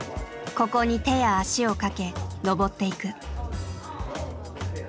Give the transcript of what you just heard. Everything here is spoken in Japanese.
ここに手や足をかけ登っていく。